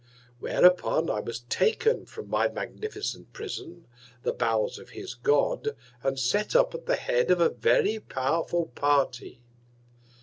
Whereupon I was taken from my magnificent Prison, the Bowels of his God, and set up at the Head of a very powerful Party.